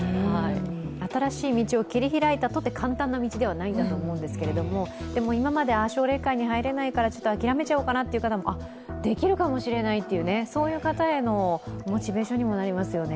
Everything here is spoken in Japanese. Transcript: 新しい道を切り開いたとて、簡単な道ではないと思うんですが、でも今まで奨励会に入れないから諦めちゃおうかなという方も、あ、できるかもしれないという、そういう方へのモチベーションにもなりますよね。